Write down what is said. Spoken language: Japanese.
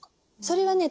それはね